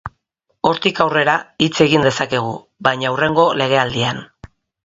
Hortik aurrera, hitz egin dezakegu, baina hurrengo legealdian.